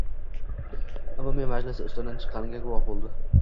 umumiy majlisi ustidan chiqqaniga guvoh bo‘ldi.